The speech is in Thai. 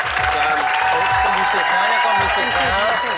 ก็มีสิทธิ์แล้วนี่ก็มีสิทธิ์แล้ว